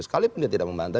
sekalipun dia tidak membantah